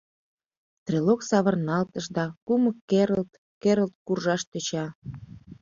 Стрелок савырналтыш да кумык керылт-керылт куржаш тӧча...